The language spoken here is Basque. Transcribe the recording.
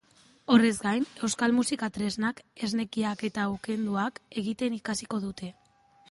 Horrez gain, euskal musika-tresnak, esnekiak eta ukenduak egiten ikasiko dute.